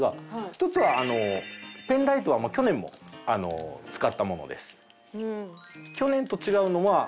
１つはペンライトは去年も使ったものです。